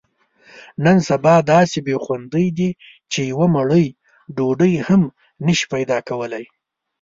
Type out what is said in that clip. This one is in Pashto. نن سبا داسې بې خوندۍ دي، چې یوه مړۍ ډوډۍ هم نشې پیداکولی.